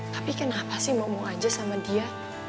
tapi kenapa sih ngomong aja sama dia